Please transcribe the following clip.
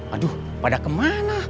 aduh pada kemana